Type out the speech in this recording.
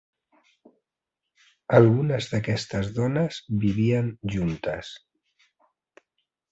Algunes d'aquestes dones vivien juntes.